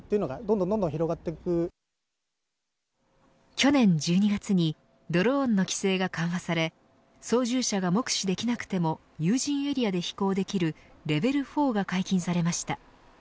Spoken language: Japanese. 去年１２月にドローンの規制が緩和され操縦者が目視できなくても有人エリアで飛行できるレベル４が解禁されました。